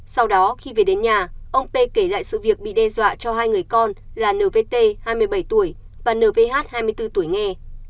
sau đó khi về đến nhà ông p kể lại sự việc bị đe dọa cho hai người con là n v t hai mươi bảy tuổi và n v h hai mươi bốn tuổi nghe